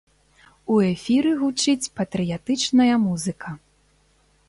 У эфіры гучыць патрыятычная музыка.